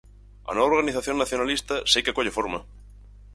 A nova organización nacionalista seica colle forma.